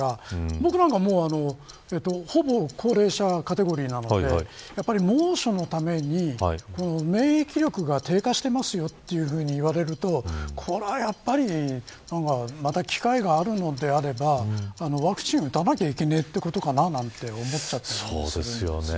僕なんかほぼ高齢者カテゴリーなので猛暑のために免疫力が低下していますよというふうに言われると機会があるのであればワクチンを打たなきゃいけないのかなと思ったりします。